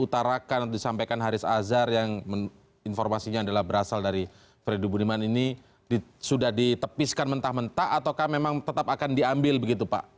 utarakan atau disampaikan haris azhar yang informasinya adalah berasal dari freddy budiman ini sudah ditepiskan mentah mentah ataukah memang tetap akan diambil begitu pak